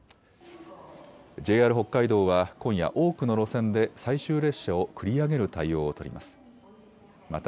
ＪＲ北海道は今夜、多くの路線で最終列車を繰り上げる対応を取ります。